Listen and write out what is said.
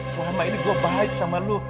selama ini gue baik sama lo